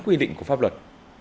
quy định của pháp luật